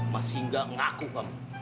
masih gak ngaku kamu